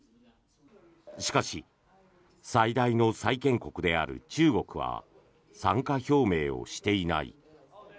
しかし最大の債権国である中国は参加表明をしていない。